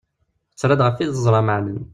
Tettara-d ɣef wid teẓra meɛnen.